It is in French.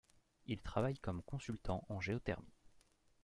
Il travaille comme consultant en géothermie.